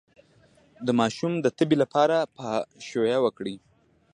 د ماشوم د تبې لپاره پاشویه وکړئ